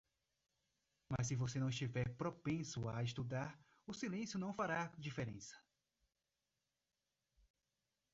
Mas se você não estiver propenso a estudar, o silêncio não fará diferença.